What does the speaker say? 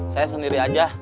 saya sendiri aja